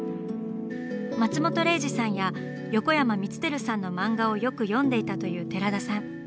松本零士さんや横山光輝さんの漫画をよく読んでいたという寺田さん。